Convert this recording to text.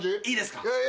いいですか？